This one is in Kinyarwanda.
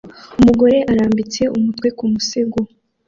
Umugore arambitse umutwe ku musego